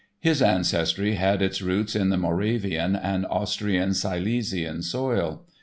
His ancestry had its roots in the Moravian and Austrian Silesian soil.